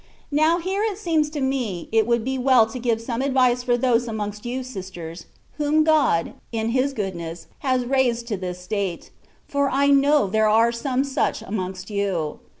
Now, here it seems to me, it would be well to give some advice for those amongst you, sisters, whom God, in His goodness, has raised to this state, for I know there are some such amongst you.